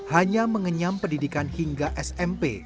hanya mengenyam pendidikan hingga smp